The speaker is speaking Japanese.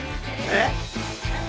えっ？